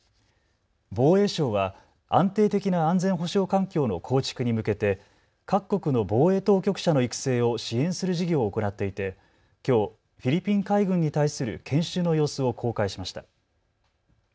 防衛省は安定的な安全保障環境の構築に向けて各国の防衛当局者の育成を支援する事業を行っていてきょうフィリピン海軍に対する研修の様子を公開しました。